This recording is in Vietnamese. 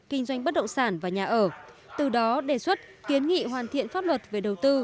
kinh doanh bất động sản và nhà ở từ đó đề xuất kiến nghị hoàn thiện pháp luật về đầu tư